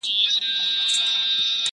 نه نه غلط سوم وطن دي چین دی!!